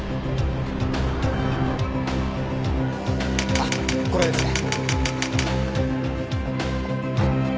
あっこれですね。